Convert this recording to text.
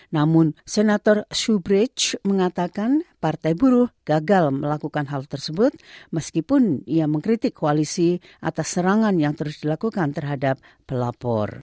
namun senator subridge mengatakan partai buruh gagal melakukan hal tersebut meskipun ia mengkritik koalisi atas serangan yang terus dilakukan terhadap pelapor